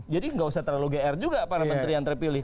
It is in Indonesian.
jadi tidak usah terlalu gr juga para menteri yang terpilih